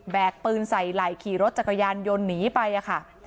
กปืนใส่ไหล่ขี่รถจักรยานยนต์หนีไปค่ะ